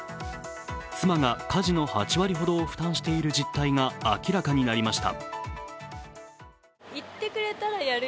妻が家事の８割ほどを負担している実態が明らかになりました。